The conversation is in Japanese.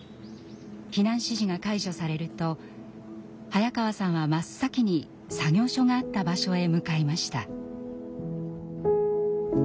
避難指示が解除されると早川さんは真っ先に作業所があった場所へ向かいました。